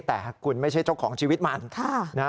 แต่คุณไม่ใช่เจ้าของชีวิตมัน